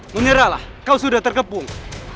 menyerahlah kau sudah terkepung